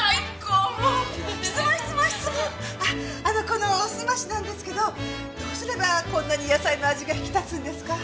このおすましなんですけどどうすればこんなに野菜の味が引き立つんですか？